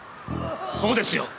そうですよ！